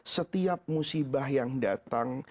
setiap musibah yang datang